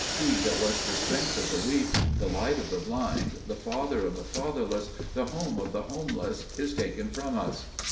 He that was the strength of the weak, the light of the blind, the father of the fatherless, the home of the homeless, is taken from us."